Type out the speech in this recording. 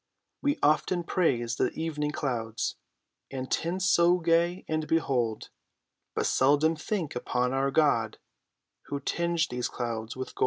We often praise the evening clouds, And tints so gay and bold, But seldom think upon our God, Who tinged these clouds with gold.